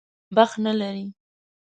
بخت نه لري.